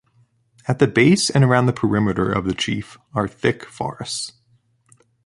At the base and around the perimeter of the Chief are thick forests.